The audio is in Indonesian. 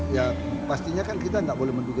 ya pastinya kan kita nggak boleh menduga